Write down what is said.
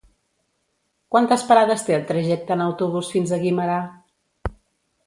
Quantes parades té el trajecte en autobús fins a Guimerà?